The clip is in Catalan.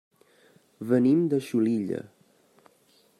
Venim de Xulilla.